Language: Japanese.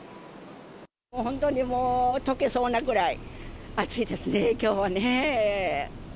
本当にもう、とけそうなくらい暑いですね、きょうはね。